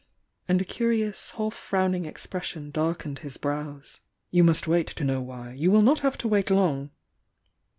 and a curious half frowning expression darkened his brows. "You must wait to know why! You will not have to wait long!"